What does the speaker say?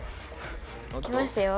行きますよ。